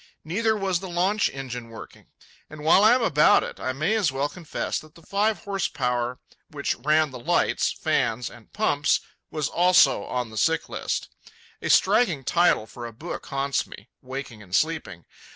Neither was the launch engine working. And while I am about it, I may as well confess that the five horse power, which ran the lights, fans, and pumps, was also on the sick list. A striking title for a book haunts me, waking and sleeping.